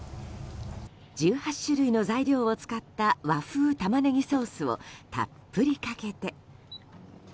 １８種類の材料を使った和風タマネギソースをたっぷりかけて。